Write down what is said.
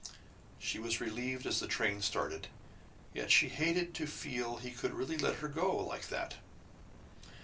She was relieved as the train started yet she hated to feel he could really let her go like that!